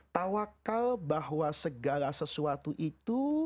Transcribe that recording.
tawakal bahwa segala sesuatu itu